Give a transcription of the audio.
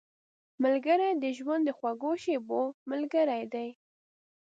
ملګری د ژوند د خوږو شېبو ملګری دی